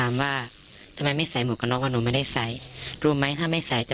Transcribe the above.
ไม่เหมือนตำรวจ